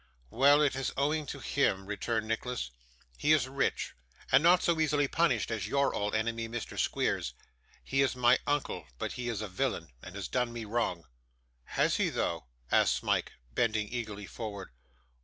'Well, it is owing to him,' returned Nicholas. 'He is rich, and not so easily punished as YOUR old enemy, Mr. Squeers. He is my uncle, but he is a villain, and has done me wrong.' 'Has he though?' asked Smike, bending eagerly forward.